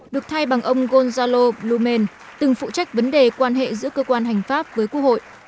được thay bằng ông gonzalo bluman từng phụ trách vấn đề quan hệ giữa cơ quan hành pháp với quốc hội